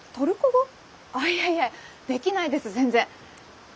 あいえいえできないです全然。